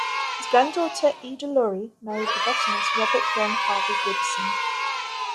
His granddaughter, Eda Lawrie married the botanist Robert John Harvey Gibson.